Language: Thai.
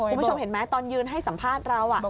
คุณผู้ชมเห็นไหมตอนยืนให้สัมภาษณ์เรา